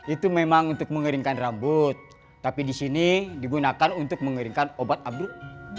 itu memang untuk mengeringkan rambut tapi di sini digunakan untuk mengeringkan obat abruk